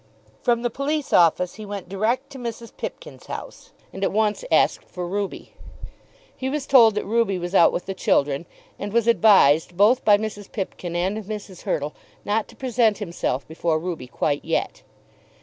From the police office he went direct to Mrs. Pipkin's house, and at once asked for Ruby. He was told that Ruby was out with the children, and was advised both by Mrs. Pipkin and Mrs. Hurtle not to present himself before Ruby quite yet.